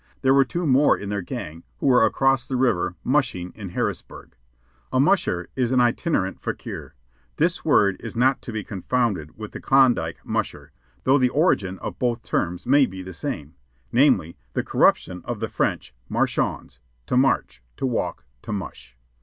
There were two more in their gang, who were across the river "mushing" in Harrisburg. A "musher" is an itinerant fakir. This word is not to be confounded with the Klondike "musher," though the origin of both terms may be the same; namely, the corruption of the French marche ons, to march, to walk, to "mush."